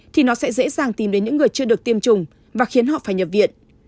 thì nó sẽ dễ dàng tìm đến những người chưa được tiêm chủng và khiến họ phải nhập viện